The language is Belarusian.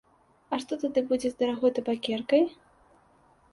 А што тады будзе з дарагой табакеркай?